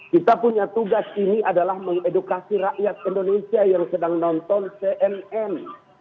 kita punya tugas ini adalah mengedukasi rakyat indonesia yang sedang nonton cnn